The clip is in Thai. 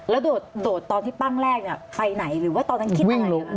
แล้วโดดตอนที่ปั้งแรกเนี่ยไปไหนหรือว่าตอนนั้นคิดอะไร